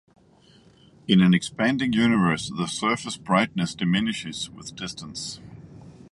In an expanding universe, the surface brightness diminishes with distance.